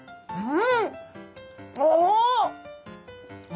うん！